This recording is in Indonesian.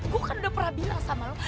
gue kan udah pernah bilang sama lo